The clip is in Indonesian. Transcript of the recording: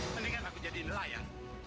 mendingan aku jadiin layang